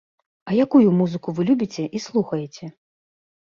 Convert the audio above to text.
А якую музыку вы любіце і слухаеце?